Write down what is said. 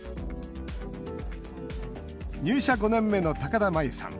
入社５年目の高田真由さん。